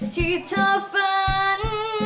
ที่เธอฝัน